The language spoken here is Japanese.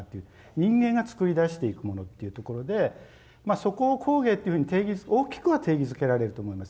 人間が作り出していくものっていうところでまあそこを工芸っていうふうに大きくは定義づけられると思います。